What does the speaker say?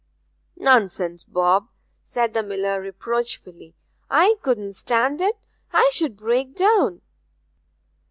'Nonsense, Bob!' said the miller reproachfully. 'I couldn't stand it I should break down.'